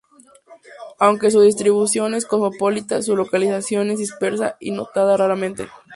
Aunque su distribución es cosmopolita, su localización es dispersa y notada raramente.